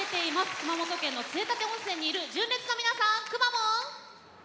熊本県の杖立温泉にいる純烈の皆さんそして、くまモン！